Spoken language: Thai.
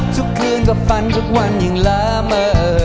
ทุกคืนก็ฝันทุกวันอย่างลาเมอ